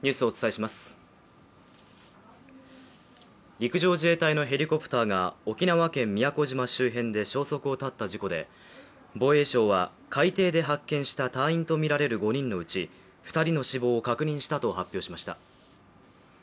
陸上自衛隊のヘリコプターが沖縄県宮古島周辺で消息を絶った事故で防衛省は海底で発見した隊員とみられる５人のうち２人の死亡を確認したと発表しました。